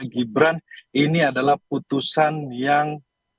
gibran ini adalah putusan yang